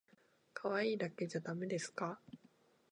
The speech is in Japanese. かわいいだけじゃだめですか